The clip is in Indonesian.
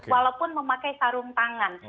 walaupun memakai sarung tangan